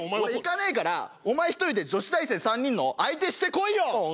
俺行かねえからお前１人で女子大生３人の相手してこいよ！